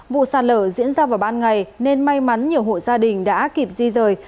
vụ sạt lở diễn ra vào ban ngày nên may mắn nhiều hộ gia đình đã kịp di rời